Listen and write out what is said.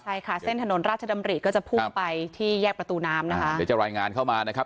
ใช่ค่ะเส้นถนนราชดำริก็จะพุ่งไปที่แยกประตูน้ำนะคะเดี๋ยวจะรายงานเข้ามานะครับ